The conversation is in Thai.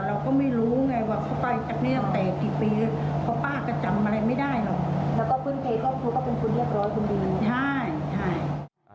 แล้วก็คุณเคยก็พูดว่าเป็นคุณเรียบร้อยคุณดีมั้ยใช่